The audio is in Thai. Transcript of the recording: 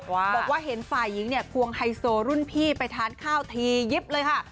บอกว่าเห็นฝ่ายหญิงเนี่ยควงไฮโซรุ่นพี่ไปทานข้าวทียิบเลยค่ะ